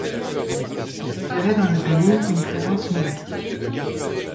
Il y avait dans le pays une présence nouvelle.